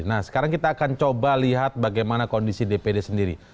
nah sekarang kita akan coba lihat bagaimana kondisi dpd sendiri